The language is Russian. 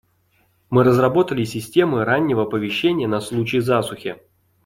Мы разработали системы раннего оповещения на случай засухи.